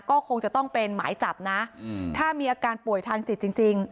ก็คงจะต้องเป็นหมายจับนะถ้ามีอาการป่วยทางจิตจริง